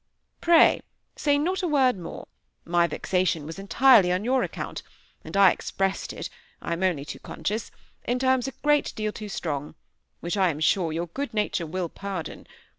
"Pray say not a word more; my vexation was entirely on your account; and I expressed it, I am only too conscious, in terms a great deal too strong, which, I am sure, your good nature will pardon.